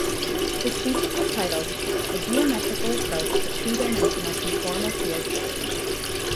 His thesis was titled "A Geometrical Approach to Two Dimensional Conformal Field Theory".